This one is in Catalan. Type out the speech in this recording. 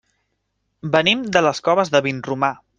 Venim de les Coves de Vinromà.